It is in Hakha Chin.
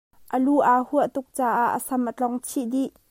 A lu aa huah tuk caah a sam a tlong chih dih.